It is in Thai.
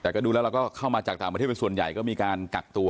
แต่ก็ดูแล้วเราก็เข้ามาจากต่างประเทศเป็นส่วนใหญ่ก็มีการกักตัว